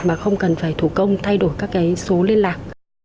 mà không cần phải thủ công thay đổi các cái số liên lạc